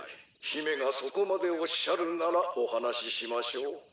姫がそこまでおっしゃるならお話ししましょう。